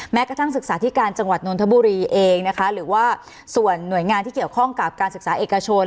กระทั่งศึกษาธิการจังหวัดนทบุรีเองนะคะหรือว่าส่วนหน่วยงานที่เกี่ยวข้องกับการศึกษาเอกชน